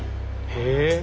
へえ！